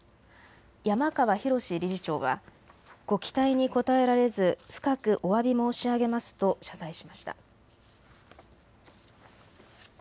山川宏理事長はご期待に応えられず、深くおわび申し上げますと謝罪しました。